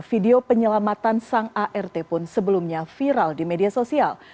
video penyelamatan sang art pun sebelumnya viral di media sosial